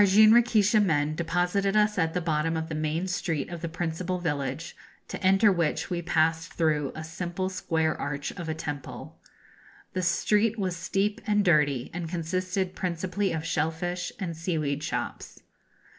] Our jinrikisha men deposited us at the bottom of the main street of the principal village, to enter which we passed through a simple square arch of a temple. The street was steep and dirty, and consisted principally of shell fish and seaweed shops.